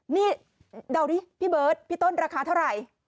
นี่เดาดิพี่เบิร์ตพี่ต้นราคาเท่าไหร่